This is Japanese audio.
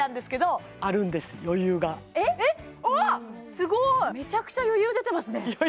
えっすごいめちゃくちゃ余裕出てますね